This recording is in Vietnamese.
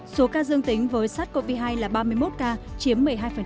số ca dương tính với sars cov hai là ba mươi một ca chiếm một mươi hai